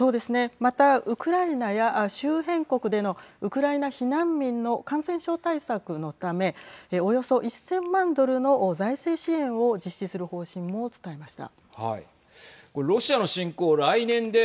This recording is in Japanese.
またウクライナや周辺国でのウクライナ避難民の感染症対策のためおよそ１０００万ドルの財政支援を実施する方針も伝えました。